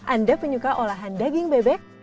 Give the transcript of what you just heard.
anda penyuka olahan daging bebek